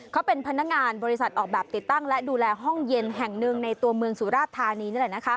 เขาเป็นพนักงานบริษัทออกแบบติดตั้งและดูแลห้องเย็นแห่งหนึ่งในตัวเมืองสุราชธานีนี่แหละ